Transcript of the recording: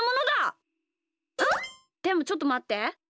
でもちょっとまって。